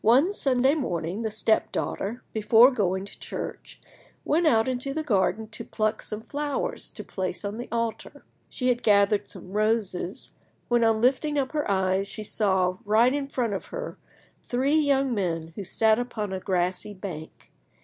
One Sunday morning the step daughter, before going to church, went out into the garden to pluck some flowers to place on the altar. She had gathered some roses, when, on lifting up her eyes, she saw, right in front of her, three young men who sat upon a grassy bank.